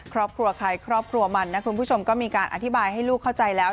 ครอบครัวใครครอบครัวมันนะคุณผู้ชมก็มีการอธิบายให้ลูกเข้าใจแล้ว